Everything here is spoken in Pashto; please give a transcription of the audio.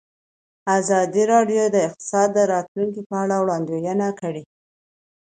ازادي راډیو د اقتصاد د راتلونکې په اړه وړاندوینې کړې.